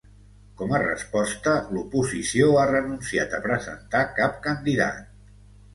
Com a resposta, l’oposició ha renunciat a presentar cap candidat.